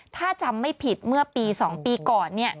ถ้าจำไม่ผิดเมื่อปี๒ปีก่อน